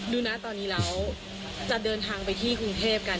ดูนะตอนนี้เราจะเดินทางไปที่กรุงเทพกัน